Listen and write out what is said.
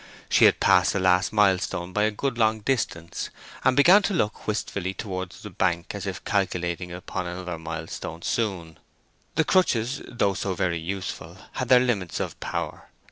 She had passed the last milestone by a good long distance, and began to look wistfully towards the bank as if calculating upon another milestone soon. The crutches, though so very useful, had their limits of power.